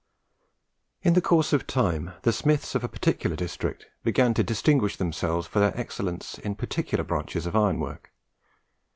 In course of time the smiths of particular districts began to distinguish themselves for their excellence in particular branches of iron work.